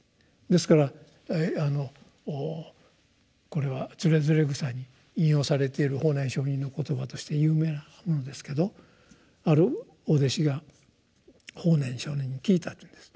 ですからこれは「徒然草」に引用されている法然上人の言葉として有名なものですけどあるお弟子が法然上人に聞いたというんです。